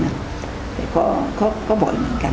ใดเพื่อก็ก็บ่อยเหมือนกัน